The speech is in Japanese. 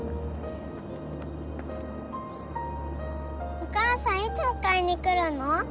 お母さんいつ迎えに来るの？